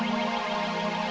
dia itu anaknya sangat berbahaya